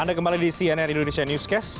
anda kembali di cnn indonesia newscast